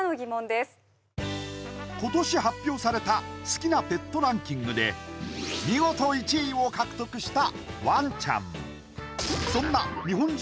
続いては今年発表された好きなペットランキングで見事１位を獲得したワンちゃん